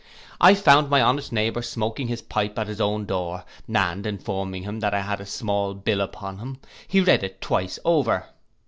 I found my honest neighbour smoking his pipe at his own door, and informing him that I had a small bill upon him, he read it twice over.